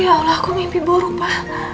ya allah aku mimpi burung pa